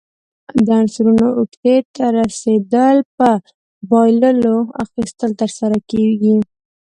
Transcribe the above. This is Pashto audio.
د عنصرونو اوکتیت ته رسیدل په بایللو، اخیستلو ترسره کیږي.